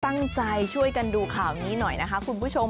ตั้งใจช่วยกันดูข่าวนี้หน่อยนะคะคุณผู้ชม